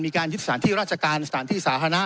มีการยึดสถานที่ราชการสถานที่สาธารณะ